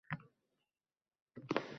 beo‘xshov jumlalarni tuzatadi.